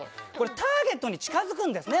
ターゲットに近づくんですね